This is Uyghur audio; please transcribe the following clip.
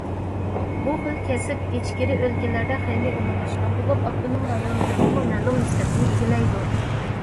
بۇ خىل كەسىپ ئىچكىرى ئۆلكىلەردە خېلى ئومۇملاشقان بولۇپ، ئاپتونوم رايونىمىزدىمۇ مەلۇم نىسبەتنى ئىگىلەيدۇ.